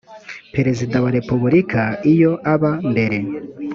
perezida wa repubulika iyo aba mbere